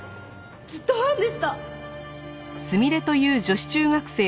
ずっとファンでした！